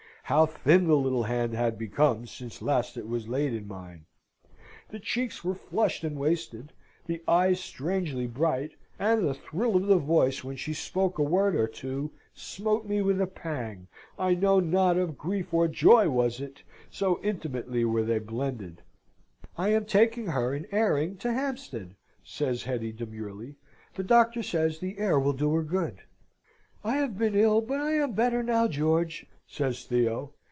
How thin the little hand had become since last it was laid in mine! The cheeks were flushed and wasted, the eyes strangely bright, and the thrill of the voice when she spoke a word or two, smote me with a pang, I know not of grief or joy was it, so intimately were they blended. "I am taking her an airing to Hampstead," says Hetty, demurely. "The doctor says the air will do her good." "I have been ill, but I am better now, George," says Theo.